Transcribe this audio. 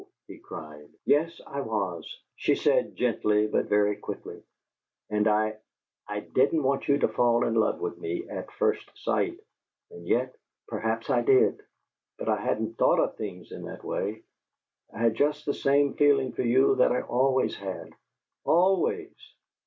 he cried. "Yes, I was," she said, gently but very quickly. "And I I didn't want you to fall in love with me at first sight. And yet perhaps I did! But I hadn't thought of things in that way. I had just the same feeling for you that I always had always!